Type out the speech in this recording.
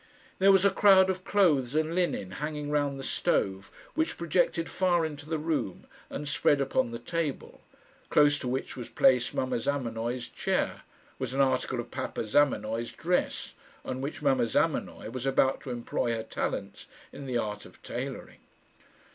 There was a crowd of clothes and linen hanging round the stove, which projected far into the room; and spread upon the table, close to which was placed mamma Zamenoy's chair, was an article of papa Zamenoy's dress, on which mamma Zamenoy was about to employ her talents in the art of tailoring.